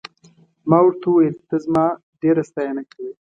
ما ورته وویل ته زما ډېره ستاینه کوې.